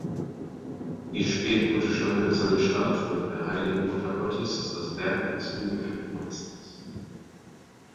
Die spätgotische hölzerne Statue der Heiligen Muttergottes ist das Werk eines unbekannten Meisters.